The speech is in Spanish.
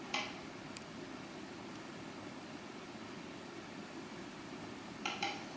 Las escuderías March Engineering y Williams construyeron chasis experimentales de seis ruedas.